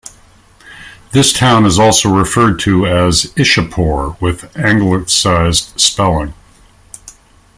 This town is also referred to as Ishapore with anglicized spelling.